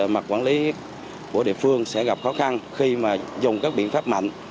mặt quản lý của địa phương sẽ gặp khó khăn khi mà dùng các biện pháp mạnh